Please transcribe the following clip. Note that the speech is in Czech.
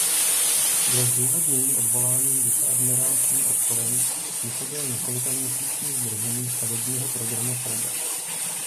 Dle zdůvodnění odvolání viceadmirál svým odporem způsobil několikaměsíční zdržení stavebního programu fregat.